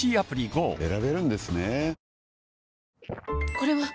これはっ！